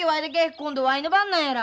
今度わいの番なんやら。